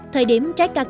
thời điểm trái ca cao này